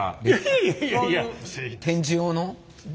いやいやいや。